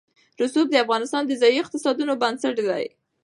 رسوب د افغانستان د ځایي اقتصادونو بنسټ دی.